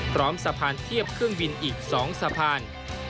สะพานเทียบเครื่องบินอีก๒สะพาน